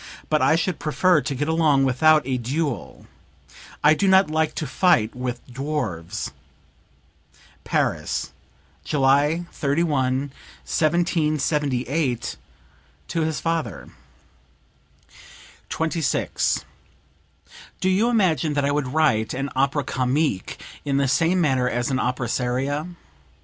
But I should prefer to get along without a duel; I do not like to fight with dwarfs." (Paris, July 31, 1778, to his father.) 26. "Do you imagine that I would write an opera comique in the same manner as an opera seria?